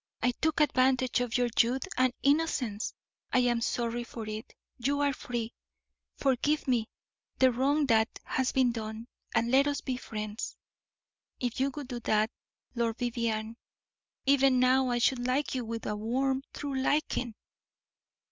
I took advantage of your youth and innocence; I am sorry for it. You are free! Forgive me the wrong that has been done, and let us friends.' If you would do that, Lord Vivianne, even now I should like you with a warm, true liking."